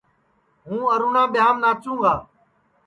ہوں ارونا ٻیاںٚم ناچُوں گا